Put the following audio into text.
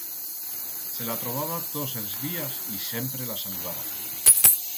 Se la trobaba tots els días y sempre la saludaba.